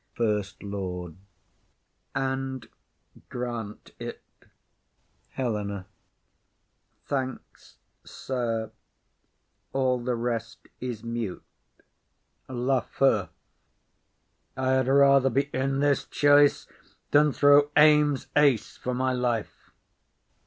FIRST LORD. And grant it. HELENA. Thanks, sir; all the rest is mute. LAFEW. I had rather be in this choice than throw ames ace for my life.